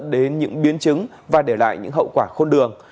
đến những biến chứng và để lại những hậu quả khôn lường